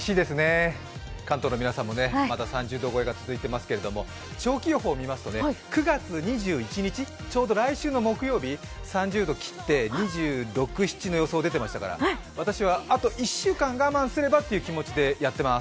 関東の皆さんもまだ３０度超えが続いていますけれども長期予報を見ますと、９月２１日、ちょうど来週の木曜日、３０度を切って２６２７の予想が出ていましたから私はあと１週間我慢すればっていう気持ちでやっています。